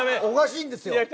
おかしいんですよ。